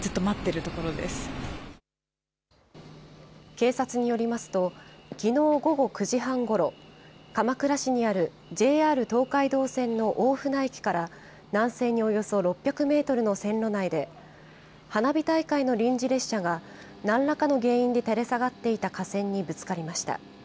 警察によりますと、きのう午後９時半ごろ、鎌倉市にあるＪＲ東海道線の大船駅から南西におよそ６００メートルの線路内で、花火大会の臨時列車がなんらかの原因で垂れ下がっていた架線にぶつかりました。